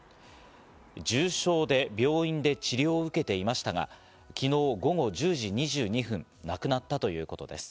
重傷で病院で治療を受けていましたが、昨日午後１０時２２分、亡くなったということです。